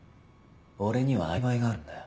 俺にはアリバイがあるんだよ。